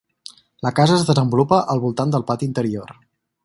La casa es desenvolupa al voltant del pati interior.